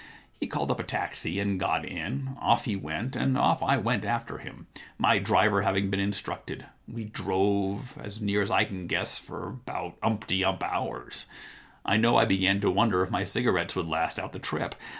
He called up a taxi and got in. Off he went, and off I went after him, my driver having been instructed. We drove, as near as I can guess, for about umpty ump hours. I know I began to wonder if my cigarettes would last out the trip.